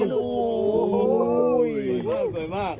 สวยมาก